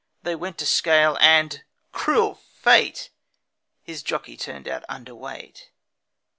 They went to scale and cruel fate! His jockey turned out under weight.